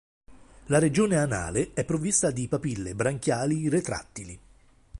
La regione anale è provvista di papille branchiali retrattili.